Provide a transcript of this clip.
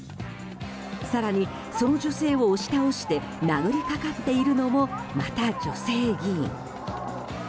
更に、その女性を押し倒して殴りかかっているのもまた女性議員。